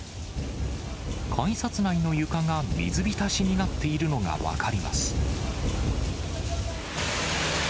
改札内の床が水浸しになっているのが分かります。